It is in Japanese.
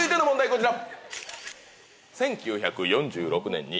こちら。